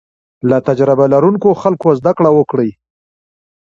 له تجربه لرونکو خلکو زده کړه وکړئ.